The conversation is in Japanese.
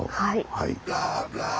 はい。